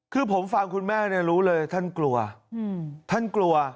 คือผมฟังคุณแม่เนี่ยรู้เลยท่านกลัวท่านกลัว